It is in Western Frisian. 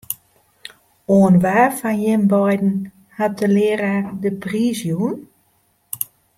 Oan wa fan jim beiden hat de learaar de priis jûn?